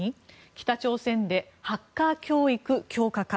北朝鮮でハッカー教育強化か。